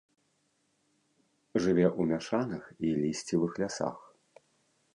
Жыве ў мяшаных і лісцевых лясах.